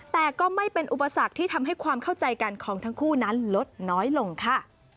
แต่ก็ไม่เป็นอุปสรรคที่ทำให้ความเข้าใจกันของทั้งคู่นั้นลดน้อยลงค่ะ